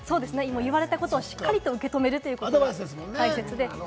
言われたことをしっかり受け止めるのが大切です。